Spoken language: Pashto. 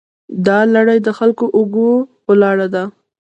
دا لړۍ د خلکو په اوږو ولاړه ده.